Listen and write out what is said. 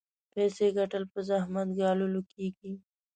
پيسې ګټل په زحمت ګاللو کېږي.